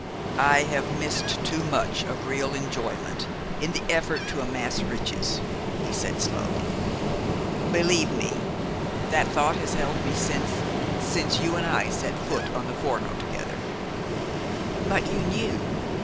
"I have missed too much of real enjoyment in the effort to amass riches," he said slowly. "Believe me, that thought has held me since since you and I set foot on the Forno together." "But you knew?